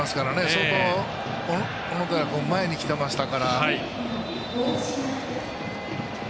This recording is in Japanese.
相当、小野寺君前に来てましたから。